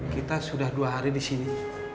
kita sudah dua hari disini